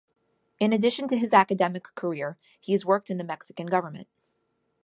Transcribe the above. In addition to his academic career, he has worked in the Mexican government.